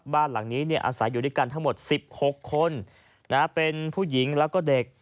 บ้านหลังนี้อาศัยอยู่ด้วยกันทั้งหมด๑๖คนเป็นผู้หญิงแล้วก็เด็ก